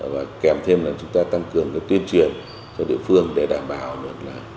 và kèm thêm là chúng ta tăng cường tuyên truyền cho địa phương để đảm bảo được là